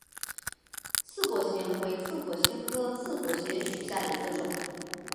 刺果藓为刺果藓科刺果藓属下的一个种。